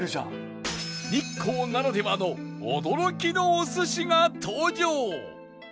日光ならではの驚きのお寿司が登場！